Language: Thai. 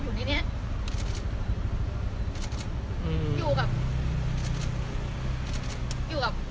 หนูขอแทบสิทธิ์อำนาจในการปกครองลูกหนูขึ้นอ่ะแล้วลูกไม่อยู่กับหนูอ่ะ